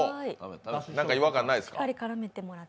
なんか違和感ないですか？